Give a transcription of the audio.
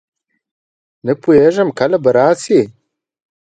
نه پوهېږم کله به راشي.